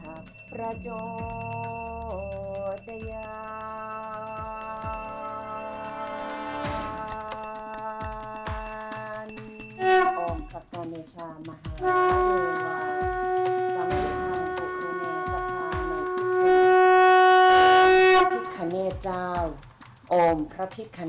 โอ้พระพิกขณ์เน่เจ้า